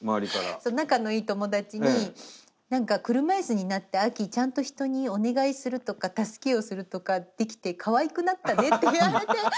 そう仲のいい友達に「何か車いすになって亜希ちゃんと人にお願いするとか助けをするとかできてかわいくなったね」って言われて。